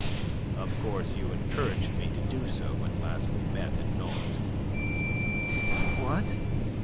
"Of course you encouraged me to do so when last we met in Nantes." "What?